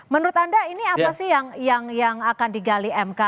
menurut anda ini apa sih yang akan digali mk